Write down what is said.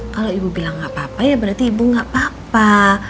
kalau ibu bilang gak apa apa ya berarti ibu nggak apa apa